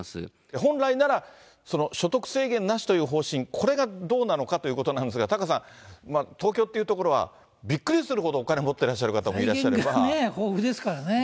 本来なら、所得制限なしという方針、これがどうなのかということなんですが、タカさん、東京っていう所は、びっくりするほどお金を持ってらっしゃる方もいらっしゃいますか財源豊富ですからね。